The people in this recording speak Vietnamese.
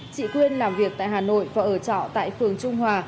chị quyên làm việc tại hà nội và ở trọ tại phường trung hòa